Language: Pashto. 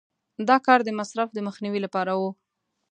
دا کار د مصرف د مخنیوي لپاره و.